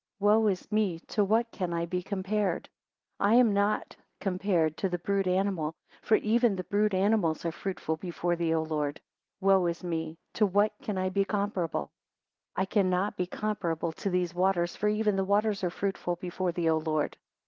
Wo is me, to what can I be compared? 4 I am not compared to the brute animal, for even the brute animals are fruitful before thee, O Lord! Wo is me, to what am I comparable? 5 I cannot be comparable to these waters, for even the waters are fruitful before thee, O Lord!